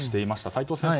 齋藤先生